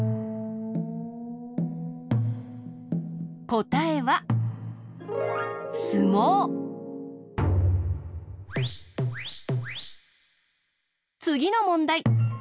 こたえはつぎのもんだい。